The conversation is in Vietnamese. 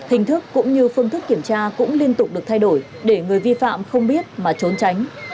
hình thức cũng như phương thức kiểm tra cũng liên tục được thay đổi để người vi phạm không biết mà trốn tránh